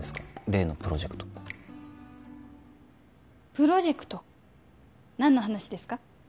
例のプロジェクトプロジェクト？何の話ですか？